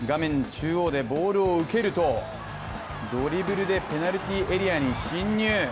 中央でボールを受けるとドリブルでペナルティーエリアに進入。